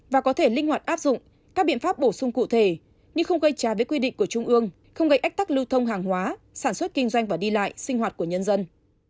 và có thể linh hoạt áp dụng các biện pháp bổ sung cụ thể như không gây trái với quy định của trung ương không gây ách tắc lưu thông hàng hóa sản xuất kinh doanh và đi lại sinh hoạt của nhân dân